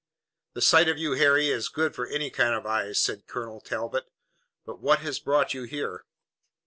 "The sight of you, Harry, is good for any kind of eyes," said Colonel Talbot. "But what has brought you here?"